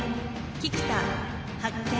菊田発見。